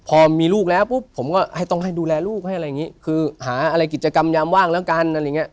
พอมีลูกผมก็ให้ต้องดูแลลูกคือก็หาอะไรกิจกรรมยามว่างละกัน